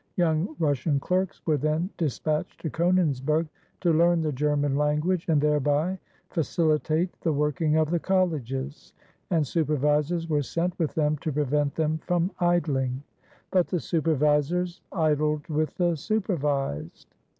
Young Russian clerks were then dispatched to Konigsberg, "to learn the German language and thereby facihtate the working of the colleges," and supervisors were sent with them to prevent them from idhng. But the supervisors idled with the supervised.